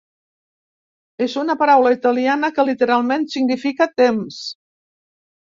És una paraula italiana que literalment significa 'temps'.